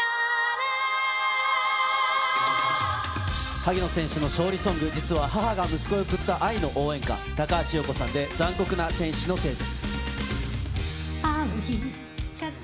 萩野選手の勝利ソング、実は母が息子へ贈った愛の応援歌、高橋洋子さんで残酷な天使のテーゼ。